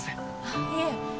あっいえ